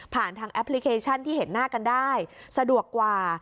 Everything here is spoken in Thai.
ทางแอปพลิเคชันที่เห็นหน้ากันได้สะดวกกว่า